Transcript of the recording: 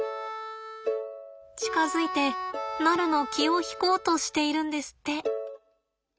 近づいてナルの気を引こうとしているんですって。